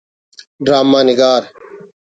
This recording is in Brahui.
ڈرامہ نگار